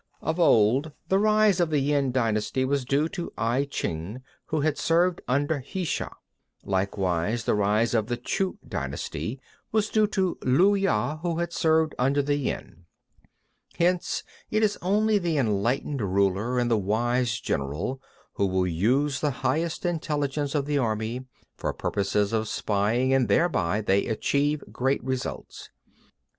26. Of old, the rise of the Yin dynasty was due to I Chih who had served under the Hsia. Likewise, the rise of the Chou dynasty was due to Lü Ya who had served under the Yin. 27. Hence it is only the enlightened ruler and the wise general who will use the highest intelligence of the army for purposes of spying and thereby they achieve great results.